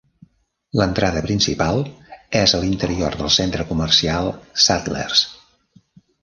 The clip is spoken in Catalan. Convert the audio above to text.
L'entrada principal és a l'interior del centre comercial Saddlers.